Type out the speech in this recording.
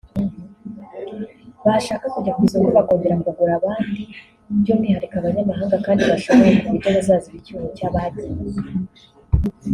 bashaka kujya ku isoko bakongera kugura abandi by’umwihariko abanyamahanga kandi bashoboye ku buryo bazaziba icyuho cy’abagiye